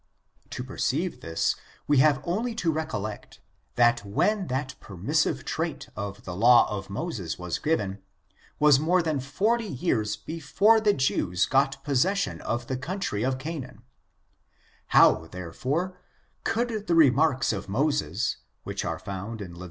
To perceive this, we have only to recollect that when that permissive trait of the law of Moses was given, was more than forty years before the Jews got pos session of the country of Canaan ; how, therefore, could the remarks of Moses, which are found in Lev.